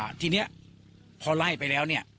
คุณสังเงียมต้องตายแล้วคุณสังเงียม